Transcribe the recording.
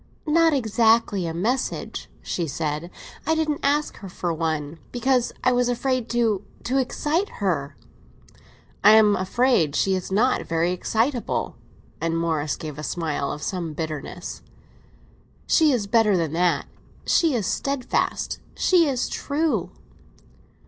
"Not exactly a message," she said; "I didn't ask her for one, because I was afraid to—to excite her." "I am afraid she is not very excitable!" And Morris gave a smile of some bitterness. "She is better than that. She is steadfast—she is true!"